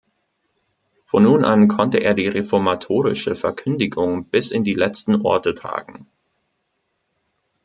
Von nun an konnte er die reformatorische Verkündigung bis in die letzten Orte tragen.